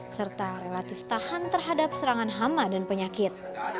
serta relatif tahan terhadap serangan hama dan penyakit